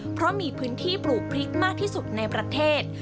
เพราะมีพื้นที่ปลูกพริกมากที่สุดในประเทศ